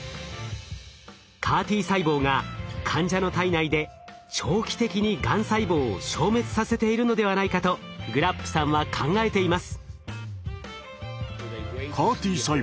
ＣＡＲ−Ｔ細胞が患者の体内で長期的にがん細胞を消滅させているのではないかとグラップさんは考えています。